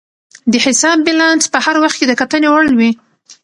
د حساب بیلانس په هر وخت کې د کتنې وړ وي.